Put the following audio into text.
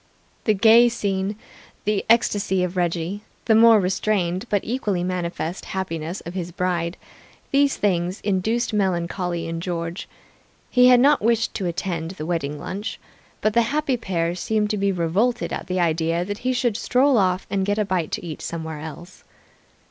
The gay scene, the ecstasy of Reggie, the more restrained but equally manifest happiness of his bride these things induced melancholy in George. He had not wished to attend the wedding lunch, but the happy pair seemed to be revolted at the idea that he should stroll off and get a bite to eat somewhere else.